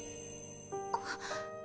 あっ。